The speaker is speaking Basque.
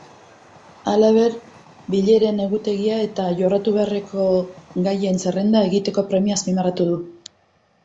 Halaber, bileren egutegia eta jorratu beharreko gaien zerrenda egiteko premia azpimarratu du.